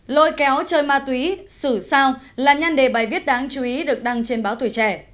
lôi kéo chơi ma túy xử sao là nhan đề bài viết đáng chú ý được đăng trên báo tuổi trẻ